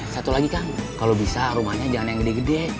satu lagi kang kalau bisa rumahnya jangan yang gede gede